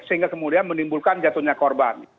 sehingga kemudian menimbulkan jatuhnya korban